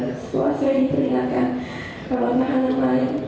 setelah saya diteringatkan ke bawah tahanan lain